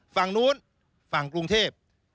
ฝั่งนู้นฝั่งกรุงเทพ